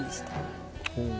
ほう！